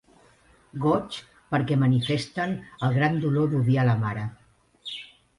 Goigs, perquè manifesten el gran dolor d'odiar la Mare.